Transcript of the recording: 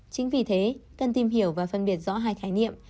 chính vì thế cần tìm hiểu và phân biệt rõ hai khái niệm